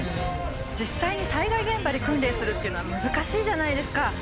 実際に災害現場で訓練するっていうのは難しいじゃないですか。